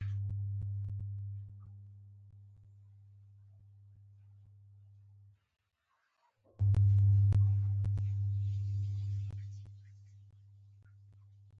له حملو څخه ژوندي پاتې کسان به پېښې هېرې نه کړي.